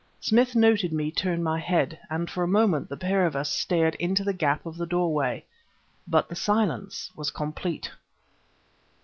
Smith noted me turn my head, and for a moment the pair of us stared into the gap of the doorway. But the silence was complete.